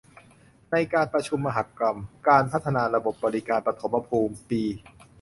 ในการประชุมมหกรรม การพัฒนาระบบบริการปฐมภูมิ ปี